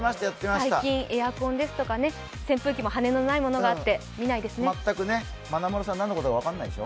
最近、エアコンですとか、扇風機も羽根のないものがあってまなまるさん、何のことだか分からないでしょ？